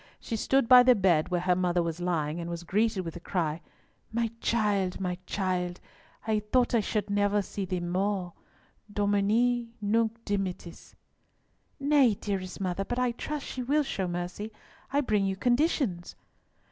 She stood by the bed where her mother was lying, and was greeted with the cry, "My child, my child! I thought I never should see thee more. Domine, nunc dimittis!" "Nay, dearest mother, but I trust she will show mercy. I bring you conditions."